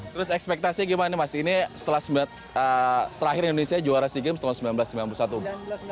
terus ekspektasi gimana mas ini setelah terakhir indonesia juara sea games tahun seribu sembilan ratus sembilan puluh satu